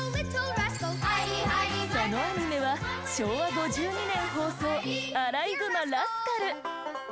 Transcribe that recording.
そのアニメは昭和５２年放送『あらいぐまラスカル』。